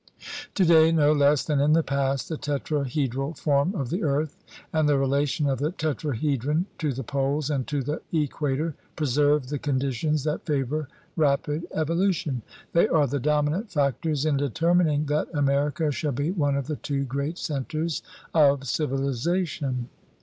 Today, no less than in the past, the tetrahedral form of the earth and the relation of the tetrahe dron to the poles and to the equator preserve the conditions that favor rapid evolution. They are the dominant factors in determining that America shall be one of the two great centers of civilization.